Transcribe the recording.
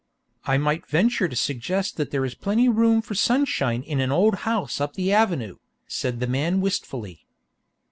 "Might I venture to suggest that there is plenty of room for sunshine in an old house up the Avenue," said the man wistfully.